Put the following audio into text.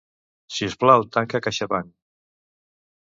Si us plau, tanca CaixaBank.